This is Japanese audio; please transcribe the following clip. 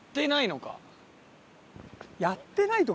やってないとか。